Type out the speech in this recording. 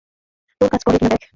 তোর কাজ করে কিনা দেখ।